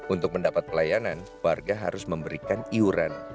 untuk mendapat pelayanan warga harus memberikan iuran